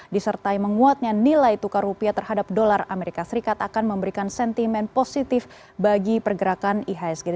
disertai menguatnya nilai tukar rupiah terhadap dolar amerika serikat akan memberikan sentimen positif bagi pergerakan ihsg